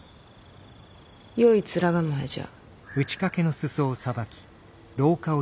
よい面構えじゃ。